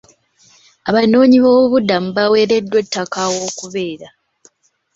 Abanoonyiboobubudamu baaweereddwa ettaka ew'okubeera.